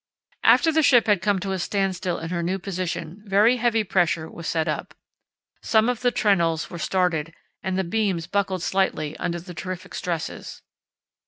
After the ship had come to a standstill in her new position very heavy pressure was set up. Some of the trenails were started and beams buckled slightly under the terrific stresses.